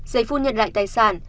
giấy phu nhận lại tài sản